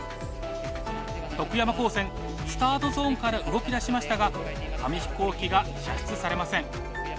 徳山高専スタートゾーンから動きだしましたが紙飛行機が射出されません。